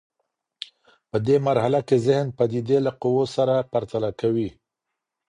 په دې مرحله کي ذهن پديدې له قوو سره پرتله کوي.